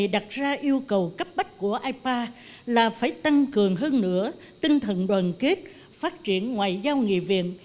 đặt ra yêu cầu cấp bách của ipa là phải tăng cường hơn nữa tinh thần đoàn kết phát triển ngoại giao nghị viện